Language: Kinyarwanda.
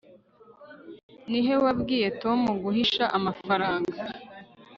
ni he wabwiye tom guhisha amafaranga